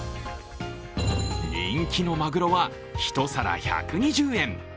人気のまぐろは１皿１２０円。